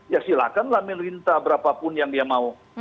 ya silakanlah minta berapapun yang dia mau